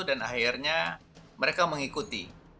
dan akhirnya mereka mengikuti